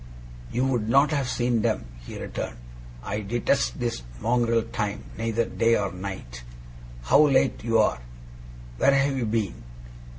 'You would not have seen them,' he returned. 'I detest this mongrel time, neither day nor night. How late you are! Where have you been?